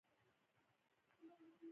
له هغوى سره دوه موټره فوجيان هم راغلي وو.